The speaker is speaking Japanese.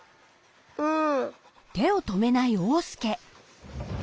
うん。